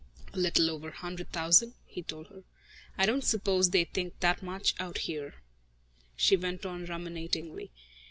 "A little over a hundred thousand," he told her. "I don't suppose they think that much out here," she went on ruminatingly.